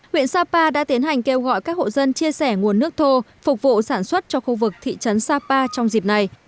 huyện sapa đã tiến hành kêu gọi các hộ dân chia sẻ nguồn nước thô phục vụ sản xuất cho khu vực thị trấn sapa trong dịp này